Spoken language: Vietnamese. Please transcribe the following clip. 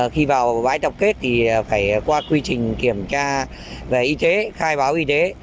khi vào bãi tập kết thì phải qua quy trình kiểm tra về y tế khai báo y tế